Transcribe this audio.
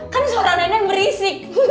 kan suara neneng berisik